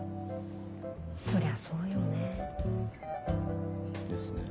そりゃそうよね。ですね。